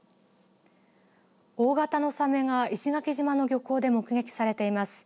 大型のさめが石垣島の漁港で目撃されています。